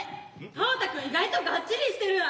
多和田君意外とがっちりしてるわ。